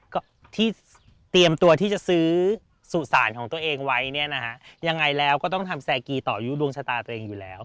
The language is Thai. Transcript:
ก็ที่เตรียมตัวที่จะซื้อสุสานของตัวเองไว้เนี่ยนะฮะยังไงแล้วก็ต้องทำแซกีต่อยุดวงชะตาตัวเองอยู่แล้ว